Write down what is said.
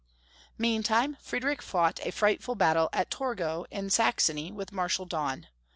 Meantime, Friedrich fought a frightful battle at Torgau in Saxony with Marshal Daun.